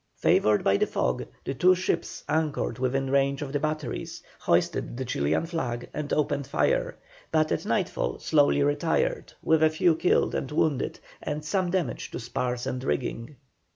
Favoured by the fog the two ships anchored within range of the batteries, hoisted the Chilian flag, and opened fire, but at nightfall slowly retired, with a few killed and wounded, and some damage to spars and rigging.